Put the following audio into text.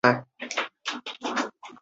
彭宁离子阱。